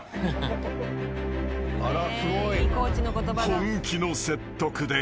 ［本気の説得で］